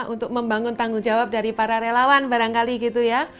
untuk membangun tanggung jawab dari para relawan barangkali gitu ya